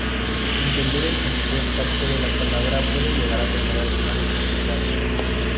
Entender el sentido exacto de la palabra puede llegar a tener alguna dificultad.